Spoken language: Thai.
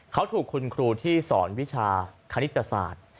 เขาถูกคุณครูที่สอนวิชาคณิตศาสตร์